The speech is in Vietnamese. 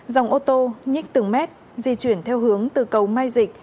dòng ô tô nhích từng mét di chuyển theo hướng từ cầu mai dịch